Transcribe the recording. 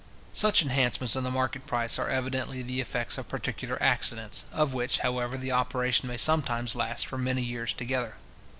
Such enhancements of the market price are evidently the effects of particular accidents, of which, however, the operation may sometimes last for many years together.